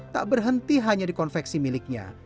tak berhenti hanya di konveksi miliknya